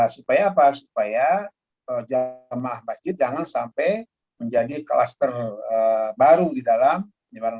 supaya apa supaya jamaah masjid jangan sampai menjadi kluster baru di dalam